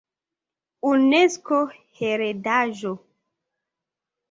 Unesko heredaĵo